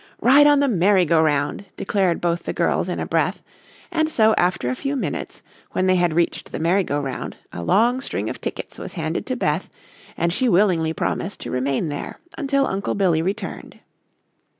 "Ride on the merry go round," declared both the girls in a breath, and so after a few minutes, when they had reached the merry go round a long string of tickets was handed Beth and she willingly promised to remain there until Uncle Billy returned.